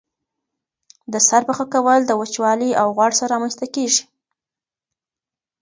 د سر پخه کول د وچوالي او غوړ سره رامنځته کیږي.